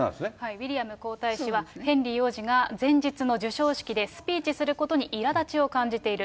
ウィリアム皇太子は、ヘンリー王子が前日の授賞式でスピーチすることにいらだちを感じている。